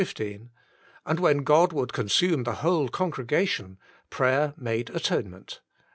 15, and when God would consume the whole con gregation, prayer made atonement, 46.